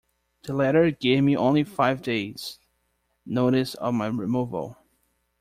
The letter gave me only five days' notice of my removal.